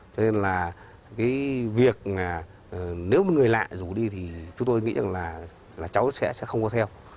cho nên là cái việc nếu mà người lạ rủ đi thì chúng tôi nghĩ rằng là cháu sẽ không có theo